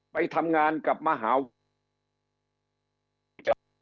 ไปทำงานกับมหาวิทยาลัย